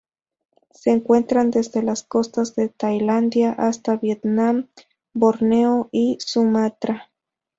Se encuentran desde las costas de Tailandia hasta Vietnam, Borneo y Sumatra.